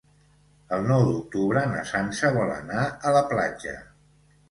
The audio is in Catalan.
El nou d'octubre na Sança vol anar a la platja.